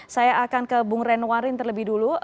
saya akan ke bung renwarin terlebih dulu